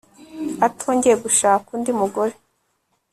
atongeye gushaka undi mugore